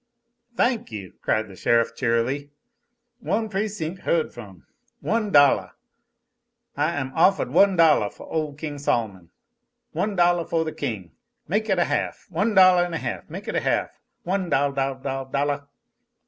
"Thank you!" cried the sheriff, cheerily. "One precinc' heard from! One dollah! I am offahed one dollah foh ole King Sol'mon. One dollah foh the king! Make it a half. One dollah an' a half. Make it a half. One dol dol dol dollah!"